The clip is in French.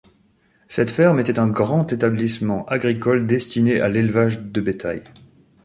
Cette ferme était un grand établissement agricole destiné à l'élevage du bétail.